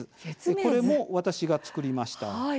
これも私が作りました。